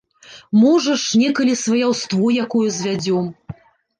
Можа ж, некалі сваяўство якое звядзём.